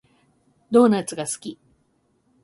ドーナツが好き